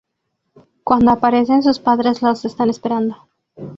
Cuando aparecen, sus padres los están esperando.